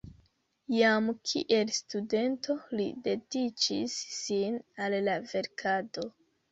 Jam kiel studento li dediĉis sin al la verkado.